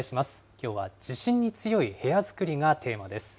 きょうは地震に強い部屋づくりがテーマです。